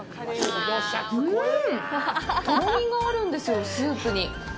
とろみがあるんですよ、スープに。